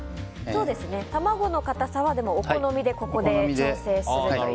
卵の固さはお好みでここで調整するという。